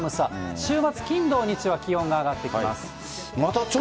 週末、金、土、日は気温が上がってきます。